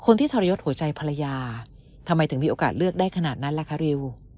คนที่ธรยสหัวใจภรรยาทำไมถึงมีออกาศเลือกได้ขนาดนั้นแค่คนภรรยาการีว